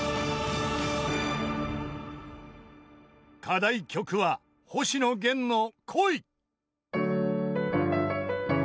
［課題曲は星野源の『恋』］